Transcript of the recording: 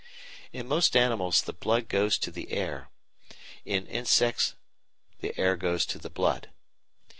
In most animals the blood goes to the air, in insects the air goes to the blood.